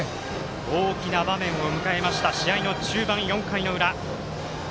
大きな場面を迎えました試合の中盤、４回の裏。